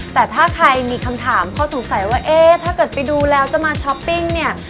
แต่ถ้าใครมีคำถามข้อสงสัยว่าเอ๊ะถ้าเกิดไปดูแล้วจะมาช้อปปิ้งเนี่ย